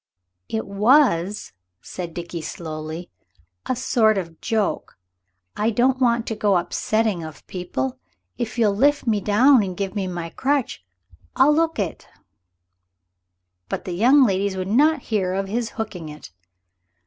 "It was," said Dickie slowly, "a sort of joke. I don't want to go upsetting of people. If you'll lift me down and give me me crutch I'll 'ook it." But the young ladies would not hear of his hooking it.